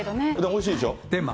おいしいでしょ。